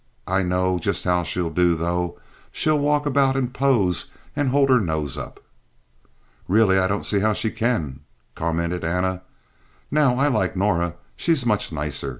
I know just how she'll do, though. She'll walk about and pose and hold her nose up." "Really, I don't see how she can," commented Anna. "Now, I like Norah. She's much nicer.